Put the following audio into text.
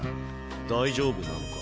大丈夫なのか？